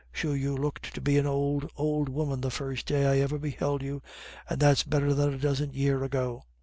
Sure you looked to be an ould, ould woman the first day I ever beheld you, and that's better than a dozen year ago."